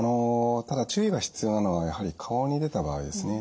ただ注意が必要なのはやはり顔に出た場合ですね。